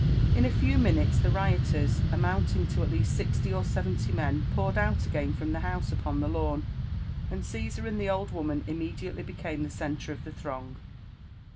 . In a few minutes, the rioters, amounting to at least sixty or seventy men, poured out again fron; the houseupon the lawn, and Caesar, and the old woman immediately became the centre of the throng.